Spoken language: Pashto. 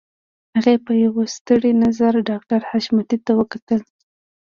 هغې په يوه ستړي نظر ډاکټر حشمتي ته وکتل.